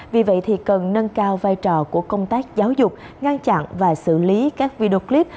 vì vậy cần nâng cao vai trò của công tác giáo dục ngăn chặn và xử lý các video clip